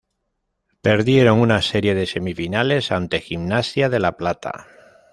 Perdieron una serie de semifinales ante Gimnasia de La Plata.